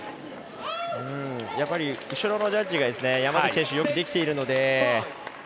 後ろのジャッジが山崎選手、よくできているので。